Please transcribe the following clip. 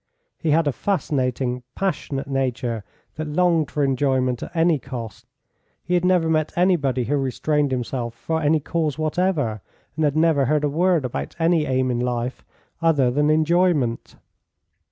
He had a fascinating, passionate nature, that longed for enjoyment at any cost. He had never met anybody who restrained himself for any cause whatever, and had never heard a word about any aim in life other than enjoyment.